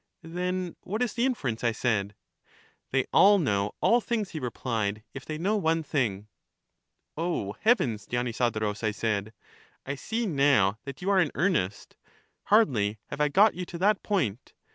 Then what is the inference? I said. They all know all things, he replied, if they know one thing. O heavens, Dionysodorus, I said, I see now that you are in earnest; hardly have I got you to that point.